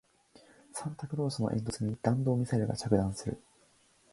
サンタクロースの煙突に弾道ミサイルが着弾する